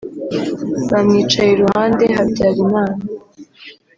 bamwicaye iruhande (Habyalimana)